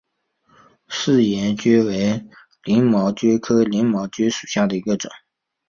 拟岩蕨为鳞毛蕨科鳞毛蕨属下的一个种。